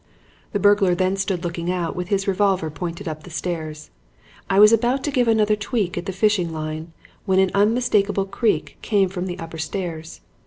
"The burglar then stood looking out with his revolver pointed up the stairs. I was about to give another tweak at the fishing line when an unmistakable creak came from the upper stairs.